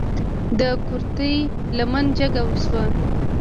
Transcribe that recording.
د کورتۍ لمنه جګه شوه.